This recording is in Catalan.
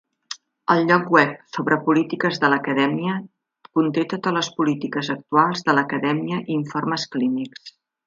El lloc web sobre polítiques de l'acadèmia conté totes les polítiques actuals de l'acadèmia i informes clínics.